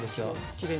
きれいに。